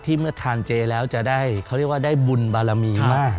เมื่อทานเจแล้วจะได้เขาเรียกว่าได้บุญบารมีมาก